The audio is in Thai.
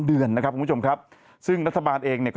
เอาเซซีบองไหม